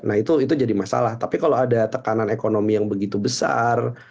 nah itu jadi masalah tapi kalau ada tekanan ekonomi yang begitu besar